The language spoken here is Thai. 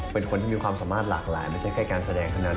เป็นคนที่มีความสามารถหลากหลายไม่ใช่แค่การแสดงเท่านั้น